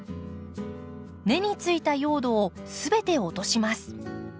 根についた用土を全て落とします。